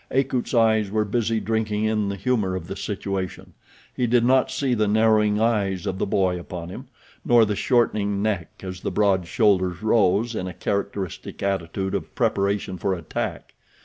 Akut's eyes were busy drinking in the humor of the situation—he did not see the narrowing eyes of the boy upon him, nor the shortening neck as the broad shoulders rose in a characteristic attitude of preparation for attack.